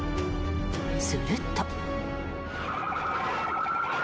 すると。